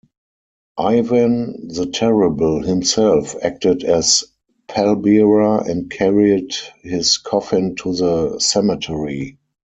Ivan the Terrible himself acted as pallbearer and carried his coffin to the cemetery.